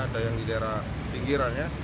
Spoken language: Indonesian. ada yang di daerah pinggirannya